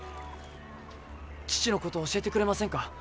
父のことを教えてくれませんか。